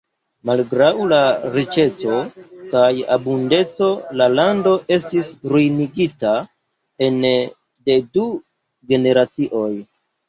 Malgraŭ la riĉeco kaj abundeco la lando estis ruinigita ene de du generacioj.